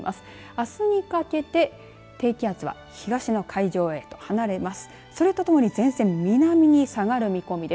あすにかけて低気圧は東の海上へと離れます。